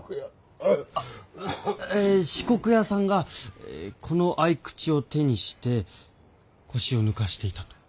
あっ四国屋さんがこの匕首を手にして腰を抜かしていたと。